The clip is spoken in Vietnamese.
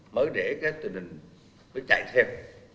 mới để cái tựa đình mới chạy theo